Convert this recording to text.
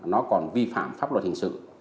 nó còn vi phạm pháp luật hình sự